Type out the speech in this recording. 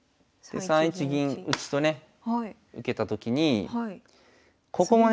３一銀打とね受けたときにここもね